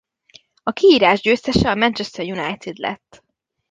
A kiírás győztese a Manchester United lett.